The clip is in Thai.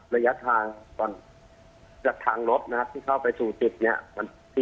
ระยะทางทางรถที่เข้าไปสู่จุดนี้